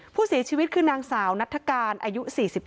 ผู้เสียชีวิตคือนางสาวนัฐกาลอายุ๔๗